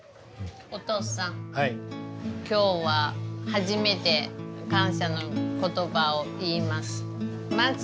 お父さん今日は初めて感謝の言葉を言います。